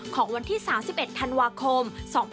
ของวันที่๓๑ธันวาคม๒๕๖๒